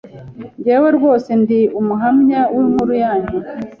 Njye we Rwose ndi umuhamya w’inkuru yanyu,